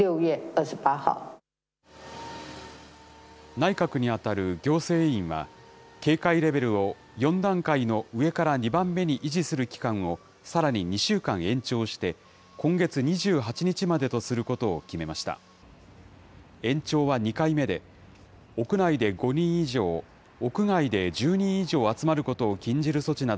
内閣に当たる行政院は、警戒レベルを４段階の上から２番目に維持する期間を、さらに２週間延長して、今月２８日までとすることを決めました。